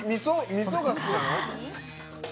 みそが好きなの？